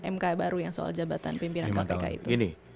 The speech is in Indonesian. mk baru yang soal jabatan pimpinan kpk itu